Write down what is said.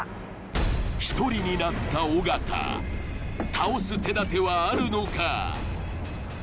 １人になった尾形倒す手だてはあるのか？